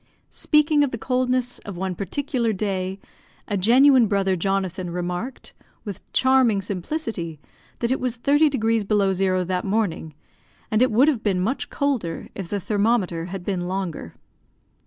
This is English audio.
Speaking of the coldness of one particular day, a genuine brother Jonathan remarked, with charming simplicity, that it was thirty degrees below zero that morning, and it would have been much colder if the thermometer had been longer.